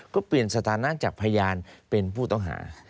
ก็เปลี่ยนสถานะจากพยานเป็นผู้ต้องหา